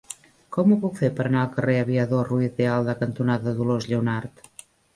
Com ho puc fer per anar al carrer Aviador Ruiz de Alda cantonada Dolors Lleonart?